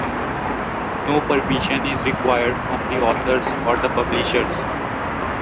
No permission is required from the authors or the publishers.